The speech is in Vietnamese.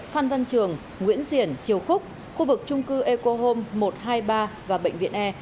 phan văn trường nguyễn diển triều khúc khu vực trung cư eco home một trăm hai mươi ba và bệnh viện e